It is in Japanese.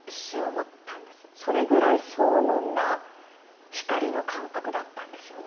それぐらい荘厳な光の感覚だったんですよね。